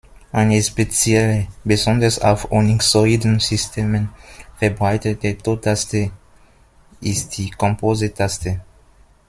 Eine spezielle, besonders auf unixoiden Systemen verbreitete Tottaste ist die Compose-Taste.